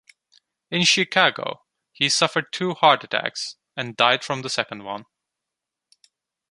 In Chicago, he suffered two heart attacks, and died from the second one.